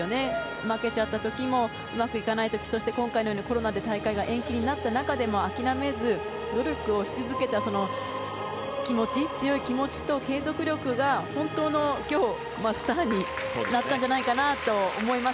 負けちゃった時うまくいかない時今回のようにコロナで大会が延期になった中でも諦めず、努力をし続けた強い気持ちと継続力が今日、本当のスターになったんじゃないかなと思います。